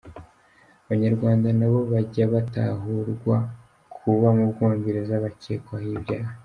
Abanyarwanda nabo bajya batahurwaho kuba mu Bwongereza bakekwaho ibyaha.